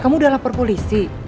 kamu udah lapar polisi